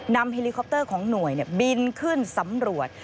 นำเห็ลที่เข้าให้บินขึ้นสำรวจ